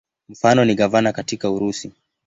Mfano ni gavana katika Urusi.